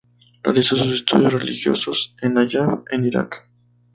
Realizó sus estudios religiosos en Nayaf en Irak.